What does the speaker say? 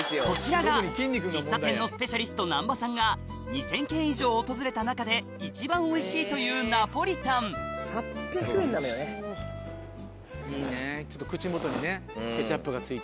こちらが喫茶店のスペシャリスト難波さんが２０００軒以上訪れた中で一番おいしいといういただきます。